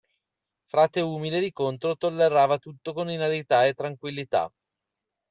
Frate Umile, di contro, tollerava tutto con ilarità e tranquillità.